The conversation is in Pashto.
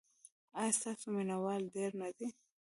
ایا ستاسو مینه وال ډیر نه دي؟